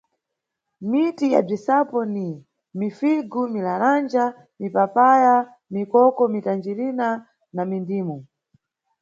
Miti ya bzisapo ni: mifigu, milalanja, mipapaya, mikoko, mitanjirina na mindimu.